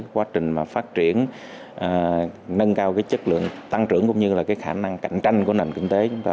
quá trình phát triển nâng cao chất lượng tăng trưởng cũng như khả năng cạnh tranh của nền kinh tế chúng ta